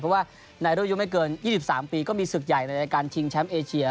เพราะว่าในรุ่นอายุไม่เกิน๒๓ปีก็มีศึกใหญ่ในรายการชิงแชมป์เอเชีย